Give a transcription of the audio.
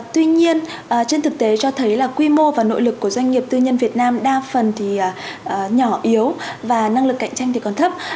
tuy nhiên trên thực tế cho thấy là quy mô và nội lực của doanh nghiệp tư nhân việt nam đa phần thì nhỏ yếu và năng lực cạnh tranh thì còn thấp